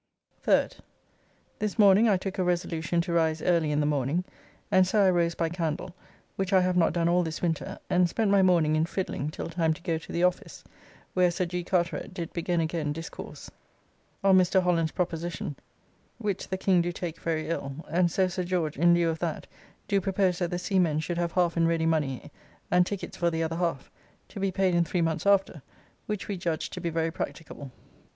3rd. This morning I took a resolution to rise early in the morning, and so I rose by candle, which I have not done all this winter, and spent my morning in fiddling till time to go to the office, where Sir G. Carteret did begin again discourse on Mr. Holland's proposition, which the King do take very ill, and so Sir George in lieu of that do propose that the seamen should have half in ready money and tickets for the other half, to be paid in three months after, which we judge to be very practicable.